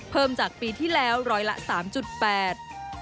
เพิ่มจากปีที่แล้ว๑๐๓๘บาท